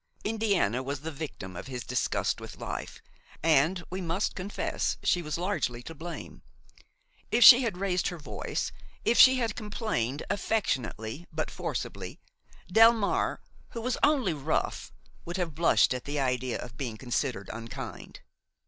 Indiana was the victim of his disgust with life, and, we must confess, she was largely to blame. If she had raised her voice, if she had complained, affectionately but forcibly, Delmare, who was only rough, would have blushed at the idea of being considered unkind.